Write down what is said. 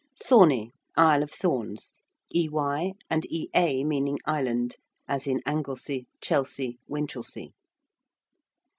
~Thorney~, Isle of Thorns; ey and ea meaning island, as in Anglesey, Chelsea, Winchelsea.